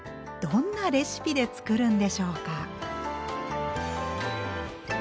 どんなレシピで作るんでしょうか？